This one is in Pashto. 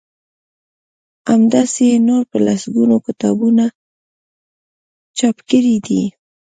همداسی يې نور په لسګونه کتابونه چاپ کړي دي